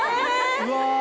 うわ！